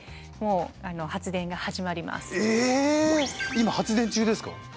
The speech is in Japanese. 今発電中ですか？